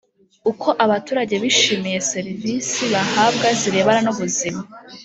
uko abaturage bishimiye serivisi bahabwa zirebana n ubuzima